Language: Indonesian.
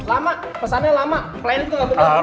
lama pesannya lama pelayan itu gak betul